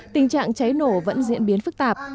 tình trạng cháy nổ vẫn diễn biến phức tạp